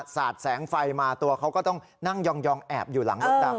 สาดแสงไฟมาตัวเขาก็ต้องนั่งยองแอบอยู่หลังมดดำ